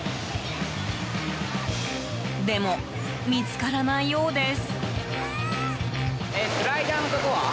でも、見つからないようです。